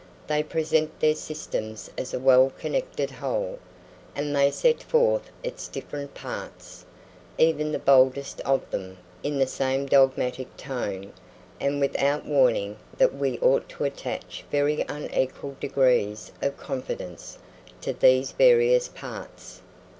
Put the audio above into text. They present their systems as a well connected whole, and they set forth its different parts, even the boldest of them, in the same dogmatic tone, and without warning that we ought to attach very unequal degrees of confidence to these various parts.